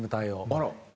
あら！